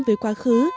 với quá khứ